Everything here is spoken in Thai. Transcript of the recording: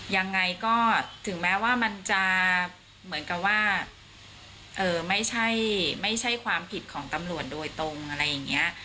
ยังไงก็ถึงแม้ว่ามันจะเหมือนกับว่าไม่ใช่ความผิดของตำรวจโดยตรงอะไรอย่างนี้